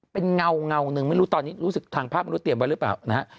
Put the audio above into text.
เป็นเงาหนึ่งไม่รู้ตอนนี้ทางภาพมันรู้เตรียมเบาะรึเปล่านะฮะ